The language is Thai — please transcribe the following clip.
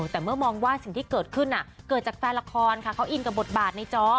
แต่เมื่อมองว่าสิ่งที่เกิดขึ้นเกิดจากแฟนละครค่ะเขาอินกับบทบาทในจอ